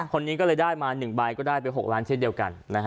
คนนี้ก็เลยได้มา๑ใบก็ได้ไป๖ล้านเช่นเดียวกัน